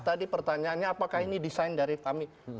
tadi pertanyaannya apakah ini desain dari kami